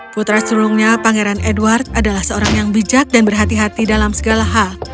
putra sulungnya pangeran edward adalah seorang yang bijak dan berhati hati dalam segala hal